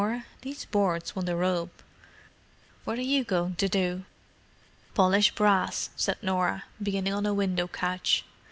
These boards want a rub. What are you going to do?" "Polish brass," said Norah, beginning on a window catch.